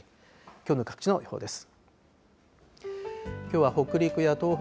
きょうの各地の予報です。